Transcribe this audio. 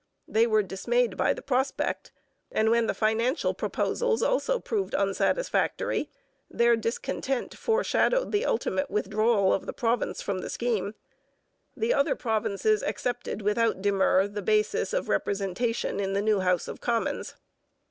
They were dismayed by the prospect, and when the financial proposals also proved unsatisfactory, their discontent foreshadowed the ultimate withdrawal of the province from the scheme. The other provinces accepted without demur the basis of representation in the new House of Commons.